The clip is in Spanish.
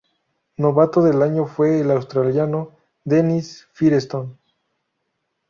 Novato del Año fue el Australiano Dennis Firestone.